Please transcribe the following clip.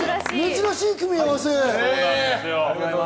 珍しい組み合わせ。